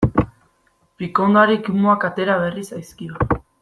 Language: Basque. Pikondoari kimuak atera berri zaizkio.